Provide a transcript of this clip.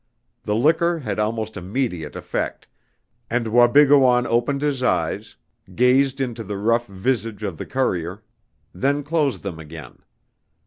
The liquor had almost immediate effect, and Wabigoon opened his eyes, gazed into the rough visage of the courier, then closed them again.